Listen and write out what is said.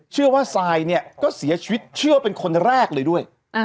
ทรายเนี่ยก็เสียชีวิตเชื่อเป็นคนแรกเลยด้วย